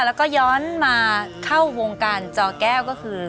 แล้วก็ย้อนมาเข้าวงการจอแก้วก็คือ